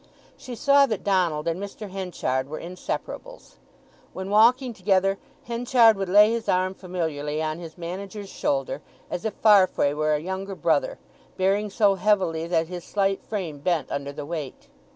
She saw that Donald and Mr. Henchard were inseparables. When walking together Henchard would lay his arm familiarly on his manager's shoulder, as if Farfrae were a younger brother, bearing so heavily that his slight frame bent under the weight.